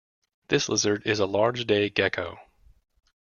This lizard is a large day gecko.